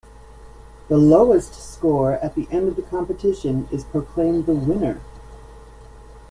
The lowest score at the end of the competition is proclaimed the winner.